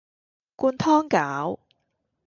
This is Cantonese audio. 灌湯餃